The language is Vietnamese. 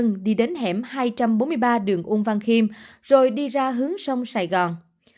hưng đi đến hẻm hai trăm bốn mươi ba đường ung văn khiêm rồi đi ra hướng sông sài gòn